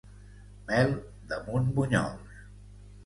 Mel damunt bunyols.